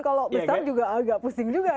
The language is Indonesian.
kalau besar juga agak pusing juga ya